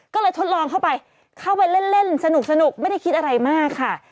ก็เลยทดลองเข้าไปเข้าไปเล่นสนุกไม่ได้คิดอะไรมากค่ะ